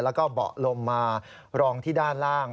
แล้วก็เบาะลมมารองที่ด้านล่าง